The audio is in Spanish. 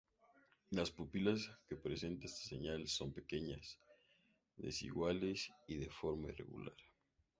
Las pupilas que presentan esta señal son pequeñas, desiguales y de forma irregular.